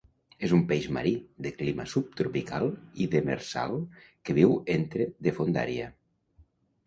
És un peix marí, de clima subtropical i demersal que viu entre de fondària.